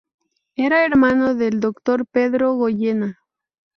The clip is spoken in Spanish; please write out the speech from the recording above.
Era hermano del doctor Pedro Goyena.